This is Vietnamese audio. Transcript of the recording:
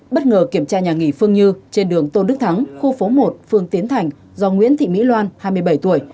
bất ngờ kiểm tra nhà nghỉ phương như trên đường tôn đức thắng khu phố một phương tiến thành do nguyễn thị mỹ loan hai mươi bảy tuổi